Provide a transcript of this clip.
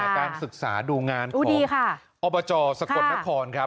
การศึกษาดูงานของอบจสะกดนครครับ